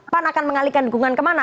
pan akan mengalihkan dukungan kemana